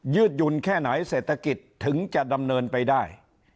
ืดหยุ่นแค่ไหนเศรษฐกิจถึงจะดำเนินไปได้